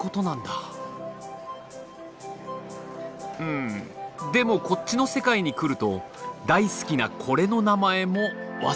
んでもこっちの世界に来ると大好きなコレの名前も忘れちゃう。